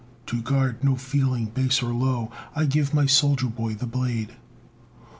To guard no feeling base or low I give my soldier boy the blade!